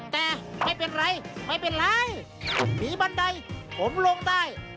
แต่ไม่เป็นไรไม่เป็นไรหนีบันไดผมลงได้